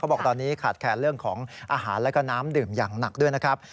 บอกตอนนี้ขาดแคลนเรื่องของอาหารแล้วก็น้ำดื่มอย่างหนักด้วยนะครับ